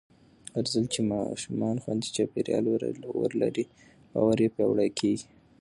هرځل چې ماشومان خوندي چاپېریال ولري، باور یې پیاوړی کېږي.